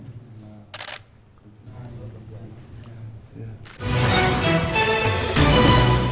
giới áp lực